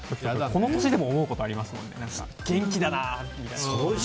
この年でも思うことありますもんね、元気だなって。